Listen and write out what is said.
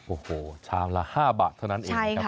โอ้โหชามละ๕บาทเท่านั้นเองครับคุณผู้ชมครับ